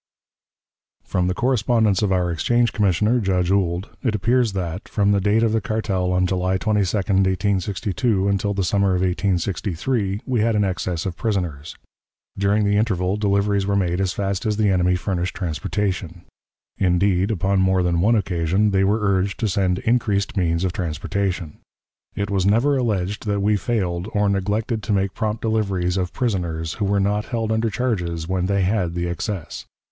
From the correspondence of our exchange commissioner, Judge Ould, it appears that, from the date of the cartel on July 22, 1862, until the summer of 1863, we had an excess of prisoners. During the interval deliveries were made as fast as the enemy furnished transportation. Indeed, upon more than one occasion they were urged to send increased means of transportation. It was never alleged that we failed or neglected to make prompt deliveries of prisoners who were not held under charges when they had the excess.